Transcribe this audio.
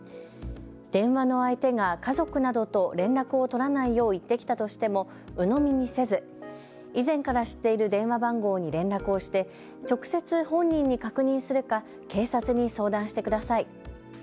電話の相手が家族などと連絡を取らないよう言ってきたとしてもうのみにせず以前から知っている電話番号に連絡をして直接本人に確認するか警察に相談してください。